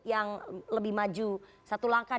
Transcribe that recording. yang lebih maju satu langkah